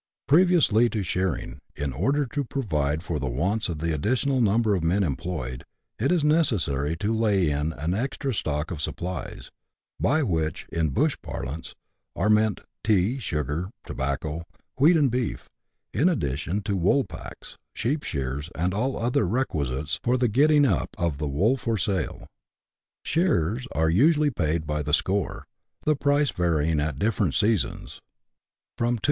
CHAP, v.] SHEEP SHEARING. 47 Previously to shearing, in order to provide for the wants of the additional number of men employed, it is necessary to lay in an extra stock of supplies ; by which, in bush parlance, are meant tea, sugar, tobacco, wheat, and beef, in addition to wool packs, sheep shears, and all other requisites for the " getting up " of the wool for sale. Shearers are usually paid by the score, the price varying at different seasons from 2s.